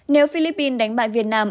nếu philippines đánh bại việt nam